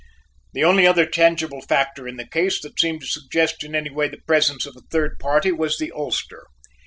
The only other tangible factor in the case that seemed to suggest in any way the presence of a third party was the ulster.